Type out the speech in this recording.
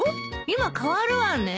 今代わるわね。